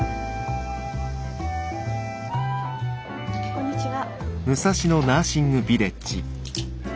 こんにちは。